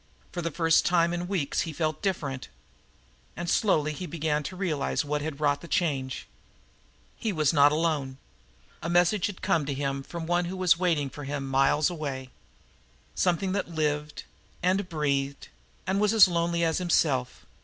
For the first time in weeks he felt DIFFERENT. And slowly he began to realize what had wrought the change. He was not alone. A message had come to him from the one who was waiting for him miles away; something that lived, and breathed, and was as lonely as himself.